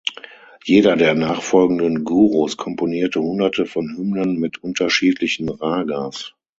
Jeder der nachfolgenden Gurus komponierte hunderte von Hymnen mit unterschiedlichen Ragas.